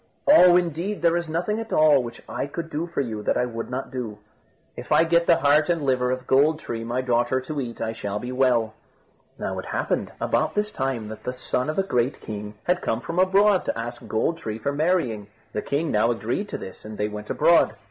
"Oh! indeed there is nothing at all which I could do for you that I would not do." "If I get the heart and the liver of Gold tree, my daughter, to eat, I shall be well." Now it happened about this time that the son of a great king had come from abroad to ask Gold tree for marrying. The king now agreed to this, and they went abroad.